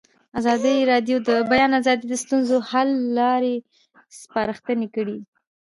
ازادي راډیو د د بیان آزادي د ستونزو حل لارې سپارښتنې کړي.